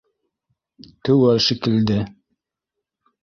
Теүәл шикелде.